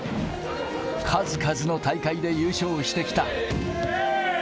数々の大会で優勝してきた。